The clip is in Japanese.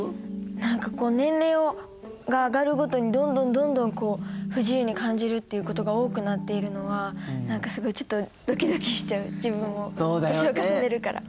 何か年齢が上がるごとにどんどんどんどん不自由に感じるっていうことが多くなっているのは何かすごいちょっとドキドキしちゃう自分も年を重ねるから。